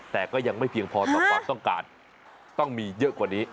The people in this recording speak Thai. แต่ก็ยังไม่เพียงพอต่อความต้องการต้องมีเยอะกว่านี้